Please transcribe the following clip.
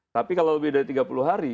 tapi kalau lebih dari tiga puluh hari